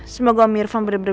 semoga mirvan berjaya